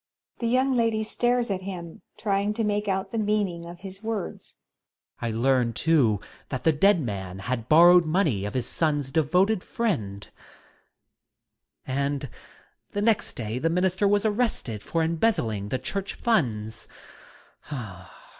The YoxTNG Lady stares at him^ trying to make out the meaning of his words. Student. I learned, too, that the dead man had bor rowed money of his son's devoted friend. ... {PaiLse\ And the next day the minister was arrested for embezzling the church funds.